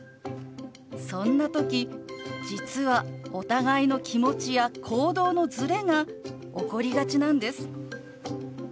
そんな時実はお互いの気持ちや行動のズレが起こりがちなんです。